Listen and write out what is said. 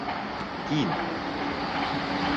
Тин